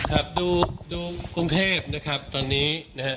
ครับดูกรุงเทพนะครับตอนนี้นะฮะ